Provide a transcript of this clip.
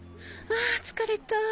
あぁ疲れた。